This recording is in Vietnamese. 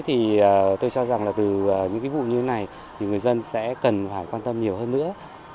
thì tôi cho rằng là từ những cái vụ như thế này thì người dân sẽ cần phải quan tâm nhiều hơn nữa